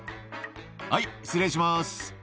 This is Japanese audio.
「はい失礼します」